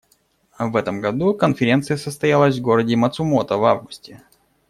В этом году Конференция состоялась в городе Мацумото в августе.